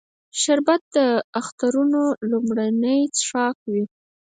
شربت د اخترونو لومړنی څښاک وي